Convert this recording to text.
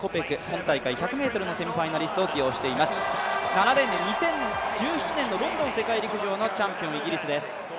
７レーンに２０１７年のロンドン世界陸上のチャンピオン、イギリスです。